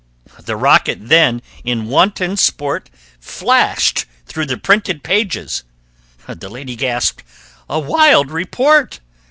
The rocket then in wanton sport Flashed through the printed pages. The lady gasped, "A wild report!"